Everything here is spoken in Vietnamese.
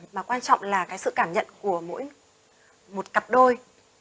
mà quan trọng là cái sự cảm nhận của mỗi một cặp đôi